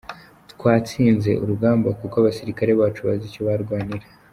Twatsinze urugamba kuko abasirikare bacu bazi icyo barwanira.